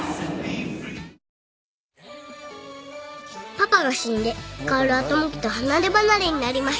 パパが死んで薫は友樹と離れ離れになりました